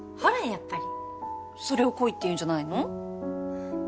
やっぱりそれを恋っていうんじゃないの？